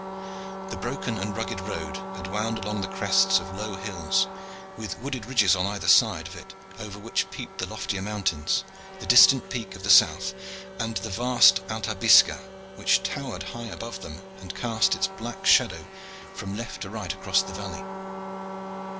The broken and rugged road had wound along the crests of low hills, with wooded ridges on either side of it over which peeped the loftier mountains, the distant Peak of the South and the vast Altabisca, which towered high above them and cast its black shadow from left to right across the valley.